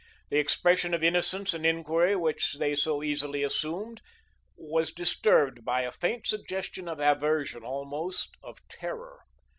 The expression of innocence and inquiry which they so easily assumed, was disturbed by a faint suggestion of aversion, almost of terror.